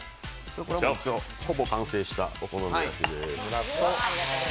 ほぼ完成したお好み焼きです。